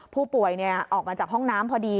ผู้ป่วยออกมาจากห้องน้ำพอดี